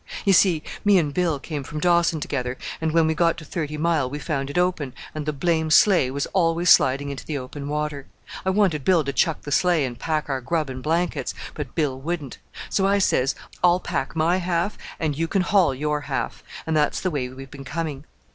"You see, me and Bill came from Dawson together; and when we got to Thirty Mile we found it open, and the blame sleigh was always sliding into the open water. I wanted Bill to chuck the sleigh and pack our grub and blankets; but Bill wouldn't. So I says, 'I'll pack my half, and you can haul your half,' and that's the way we've been coming.